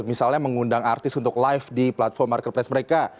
misalnya mengundang artis untuk live di platform marketplace mereka